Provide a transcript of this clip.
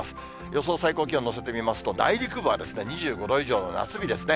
予想最高気温のせてみますと、内陸部は２５度以上の夏日ですね。